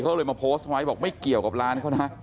เขาเลยมาโพสต์ไว้บอกไม่เกี่ยวกับร้านเขานะ